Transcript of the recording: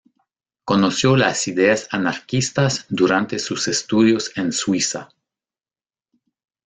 Conoció las ideas anarquistas durante sus estudios en Suiza.